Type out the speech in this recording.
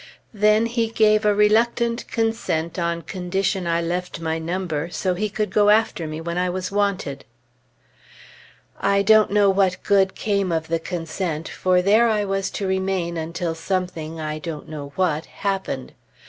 Then he gave a reluctant consent on condition I left my number, so he could go after me when I was wanted. I don't know what good came of the consent, for there I was to remain until something, I don't know what, happened.